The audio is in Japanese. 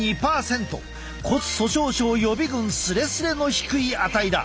骨粗しょう症予備軍スレスレの低い値だ。